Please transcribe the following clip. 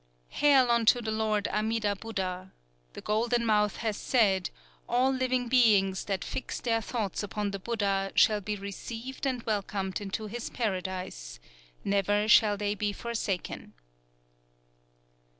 '_" "_Hail unto the Lord Amida Buddha! The Golden Mouth has said, 'All living beings that fix their thoughts upon the Buddha shall be received and welcomed into his Paradise; never shall they be forsaken.